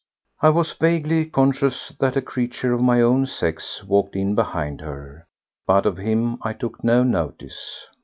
I was vaguely conscious that a creature of my own sex walked in behind her, but of him I took no notice.